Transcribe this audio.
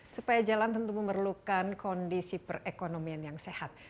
supaya jalan tentu memerlukan kondisi perekonomian yang sehat